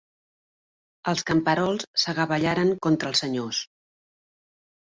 Els camperols s'agabellaren contra els senyors.